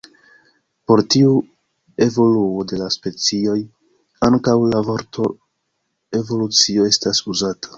Por tiu evoluo de la specioj ankaŭ la vorto "evolucio" estas uzata.